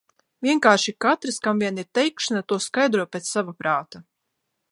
Vienkārši katrs, kam vien ir teikšana, to skaidro pēc sava prāta.